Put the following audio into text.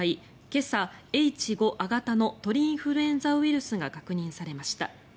今朝、Ｈ５亜型の鳥インフルエンザウイルスが確認されました。